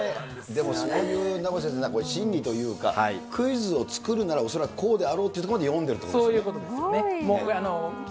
でも、名越先生、心理というか、クイズを作るなら、おそらくこうであろうというところ、見込んでるということですよね。